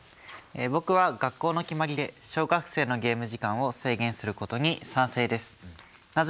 僕は学校の決まりで小学生のゲーム時間を制限することに賛成です。